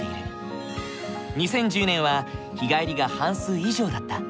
２０１０年は日帰りが半数以上だった。